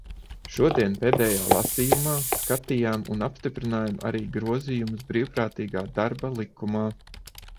Šodien pēdējā lasījumā skatījām un apstiprinājām arī grozījumus Brīvprātīgā darba likumā.